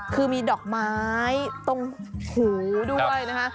คือมีดอกไม้ตรงหูด้วยนะคะ